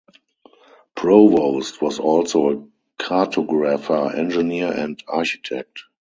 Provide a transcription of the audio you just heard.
Provost was also a cartographer, engineer, and architect.